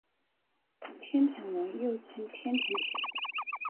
天城文又称天城体。